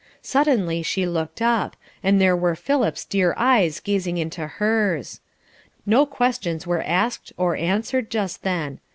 Suddenly she looked up, and there were Philip's dear eyes gazing into hers. No questions were asked or answered just then.